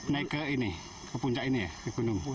naik ke ini ke puncak ini ya di gunung